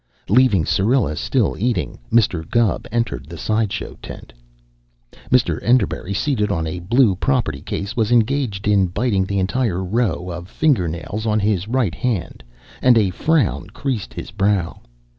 Leaving Syrilla still eating, Mr. Gubb entered the side show tent. Mr. Enderbury, seated on a blue property case, was engaged in biting the entire row of finger nails on his right hand, and a frown creased his brow.